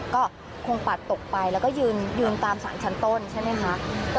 ก็คงปัดตกไปแล้วก็ยืนตามสารชั้นต้นใช่ไหมคะ